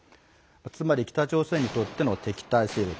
つまり、北朝鮮にとっての敵対勢力。